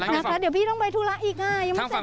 นะคะเดี๋ยวพี่ต้องไปธุระอีกค่ะยังไม่เสร็จ